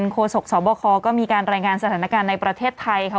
โศกสบคก็มีการรายงานสถานการณ์ในประเทศไทยค่ะ